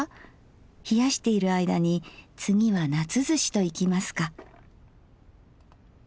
冷やしている間に次は夏ずしといきますか。